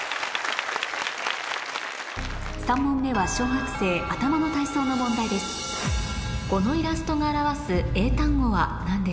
３問目は小学生頭の体操の問題ですＯＫ！